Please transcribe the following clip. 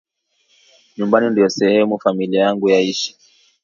Nyumbani ndio sehemu familia yangu yaishi